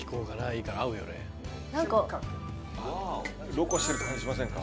ロコしてる感じしませんか。